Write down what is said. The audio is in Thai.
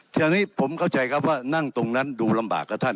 ทีนี้ผมเข้าใจครับว่านั่งตรงนั้นดูลำบากกับท่าน